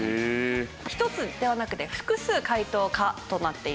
１つではなくて複数解答可となっています。